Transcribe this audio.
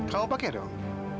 kamu pakai dong